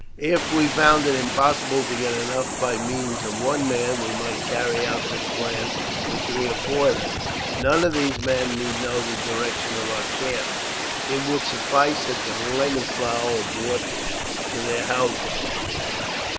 If we found it impossible to get enough by means of one man, we might carry out this plan with three or four of them. None of these men need know the direction of our camp; it would suffice that the wine and flour were brought to their houses.